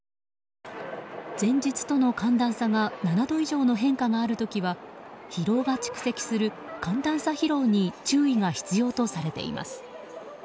前日との寒暖差が７度以上の変化がある時は疲労が蓄積する、寒暖差疲労に注意が必要とされています。